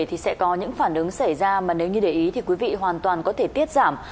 thì sẽ có những phản ứng xảy ra mà nếu như để ý thì quý vị hoàn toàn có thể tiết giảm